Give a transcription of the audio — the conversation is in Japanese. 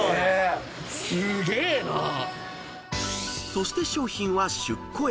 ［そして商品は出庫へ］